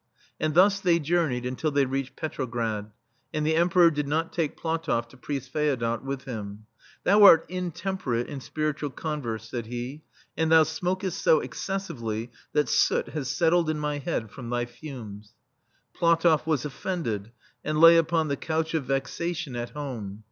And thus they journeyed until they reached Petrograd; and the Emperor did not take PlatofF to Priest Feodot with him. "Thou art intemperate in spiritual converse," said he, "and" thou smokest so excessively that soot has settled in my head from thy fumes/' PlatofF was offended, and lay upon the couch of vexation at home.